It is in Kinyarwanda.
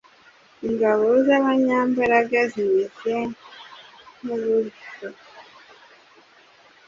ingabo z'abanyambaraga zimeze nk'ubusho